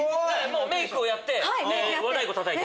メイクをやって和太鼓たたいて。